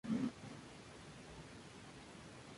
Existía otra armería, cuya situación se desconoce.